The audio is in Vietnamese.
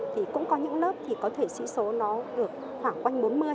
thì cũng có những lớp thì có thể sĩ số nó được khoảng quanh bốn mươi